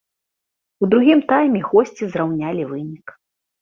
У другім тайме госці зраўнялі вынік.